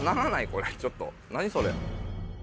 これちょっと何それ。